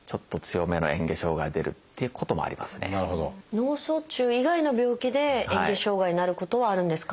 脳卒中以外の病気でえん下障害になることはあるんですか？